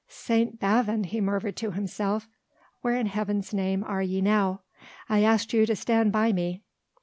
"St. Bavon," he murmured to himself, "where in Heaven's name are ye now? I asked you to stand by me."